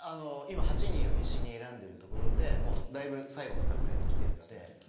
今、８人を必死に選んでいるところでだいぶ最後の段階にきているので。